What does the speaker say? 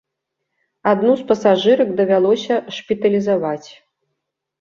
Адну з пасажырак давялося шпіталізаваць.